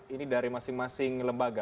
ini dari masing masing lembaga